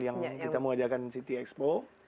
yang kita mau ajakan city expo